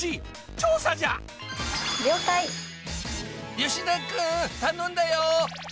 吉田君頼んだよ。